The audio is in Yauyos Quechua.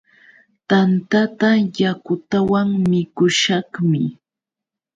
Tantata yakutawan mikushaqmi.